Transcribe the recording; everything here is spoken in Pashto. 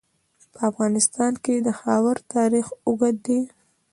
په افغانستان کې د خاوره تاریخ اوږد دی.